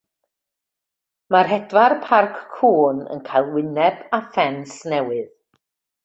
Mae rhedfa'r parc cŵn yn cael wyneb a ffens newydd.